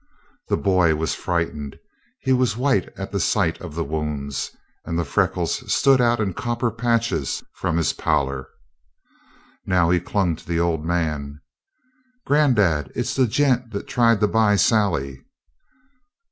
The boy was frightened. He was white at the sight of the wounds, and the freckles stood out in copper patches from his pallor. Now he clung to the old man. "Granddad, it's the gent that tried to buy Sally!"